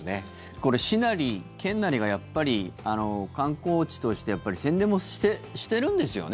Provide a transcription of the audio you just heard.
これ、市なり県なりがやっぱり観光地として宣伝もしてるんですよね？